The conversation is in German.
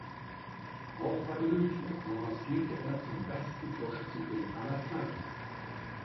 Auch bei Olympia avancierte er zum besten Torschützenkönig aller Zeiten.